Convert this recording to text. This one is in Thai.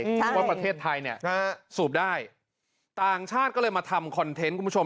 ใช่ว่าประเทศไทยเนี่ยสูบได้ต่างชาติก็เลยมาทำคอนเทนต์คุณผู้ชม